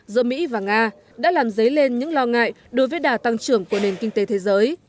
giữa mỹ và nga đã làm dấy lên những lo ngại đối với đà tăng trưởng của nền kinh tế thế giới